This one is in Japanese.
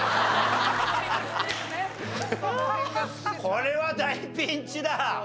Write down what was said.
これは大ピンチだ！